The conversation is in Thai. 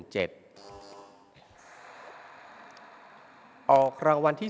อวที่๔ครั้งที่๓๒